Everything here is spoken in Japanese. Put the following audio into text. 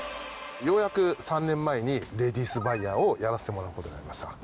ようやく３年前にレディースバイヤーをやらせてもらうことになりました。